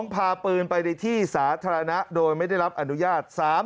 พาปืนไปในที่สาธารณะโดยไม่ได้รับอนุญาต